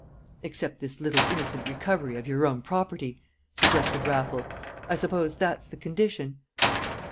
"Except this little innocent recovery of your own property," suggested Raffles. "I suppose that's the condition?"